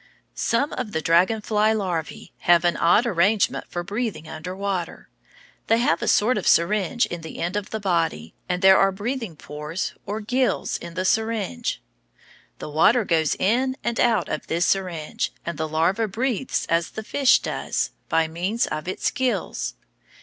Some of the dragon fly larvæ have an odd arrangement for breathing under water. They have a sort of syringe in the end of the body, and there are breathing pores or gills in the syringe. The water goes in and out of this syringe, and the larva breathes as the fish does, by means of its gills.